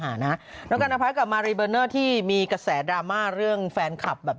หนูต้องดูไอจีดาราก่อน